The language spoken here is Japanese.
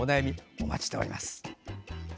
お待ちしております。